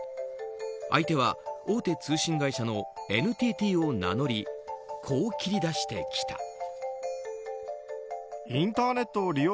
相手は大手通信会社のＮＴＴを名乗りこう切り出してきた。